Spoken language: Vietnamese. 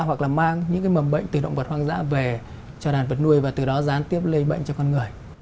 hoặc là mang những cái mầm bệnh từ động vật hoang dã về cho đàn vật nuôi và từ đó gián tiếp lây bệnh cho con người